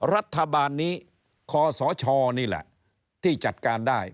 รัฐบาลนี้คศนี่แหละที่จัดการได้